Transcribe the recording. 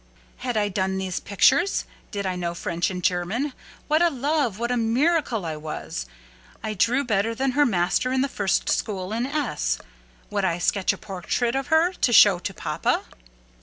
"Had I done these pictures? Did I know French and German? What a love—what a miracle I was! I drew better than her master in the first school in S——. Would I sketch a portrait of her, to show to papa?"